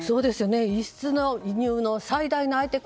輸出と輸入の最大の相手国